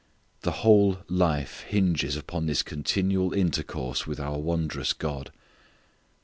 The whole life hinges upon this continual intercourse with our wondrous God.